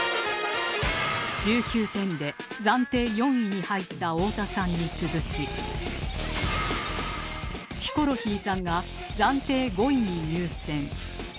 １９点で暫定４位に入った太田さんに続きヒコロヒーさんが暫定５位に入選